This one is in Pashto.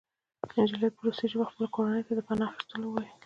نجلۍ په روسي ژبه خپلې کورنۍ ته د پناه اخیستلو وویل